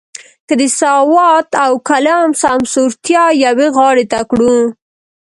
که د سوات او کالام سمسورتیا یوې غاړې ته کړو.